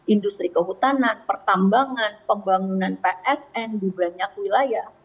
industri kehutanan pertambangan pembangunan psn di banyak wilayah